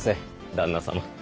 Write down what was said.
旦那様。